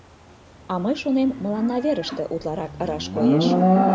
А мый шонем, мыланна верыште утларак раш коеш.